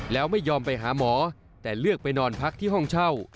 แล้วไม่ยอมไปหาหมอแต่เลือกไปนอนพักที่ห้องเช่า